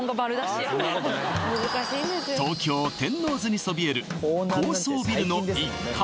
東京天王洲にそびえる高層ビルの１階